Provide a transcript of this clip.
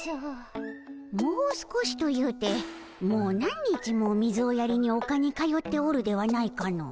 もう少しと言うてもう何日も水をやりにおかに通っておるではないかの。